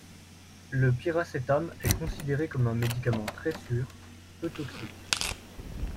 Le piracétam est considéré comme un médicament très sûr, peu toxique.